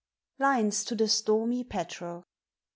LINES TO THE STORMY PETREL.